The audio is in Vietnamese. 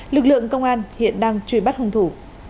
lực lượng công an hiện đang truy bắt hung thủ